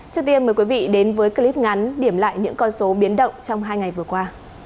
trước tiên mời quý vị đến với clip ngắn điểm lại những con số biến động trong hai ngày vừa qua